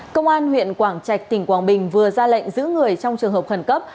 công an huyện quảng trạch tỉnh quảng bình vừa ra lệnh giữ người trong trường hợp khẩn cấp